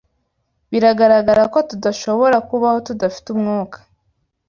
Biragaragara ko tudashobora kubaho tudafite umwuka.